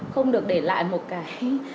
không được để lại một cái